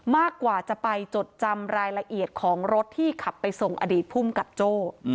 มากกว่าจะไปจดจำรายละเอียดของรถที่ขับไปส่งอดีตภูมิกับโจ้